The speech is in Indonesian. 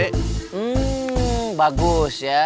hmm bagus ya